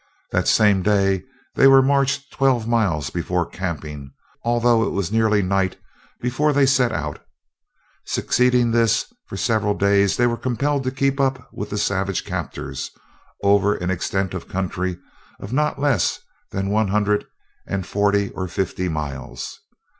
That same day they were marched twelve miles before camping, although it was nearly night before they set out. Succeeding this, for several days they were compelled to keep up with the savage captors, over an extent of country of not less than one hundred and forty or fifty miles.